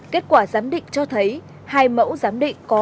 kết quả giám định cho thấy hai mẫu giám định có